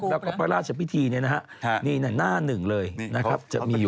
และพระราชเฉพาะพิธีนี่นะครับ